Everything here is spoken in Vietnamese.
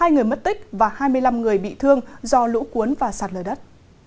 hai người mất tích và hai mươi năm người bị thương do lũ cuốn và sạt lở đất